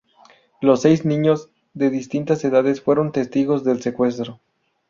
Los seis niños, de distintas edades, fueron testigos del secuestro.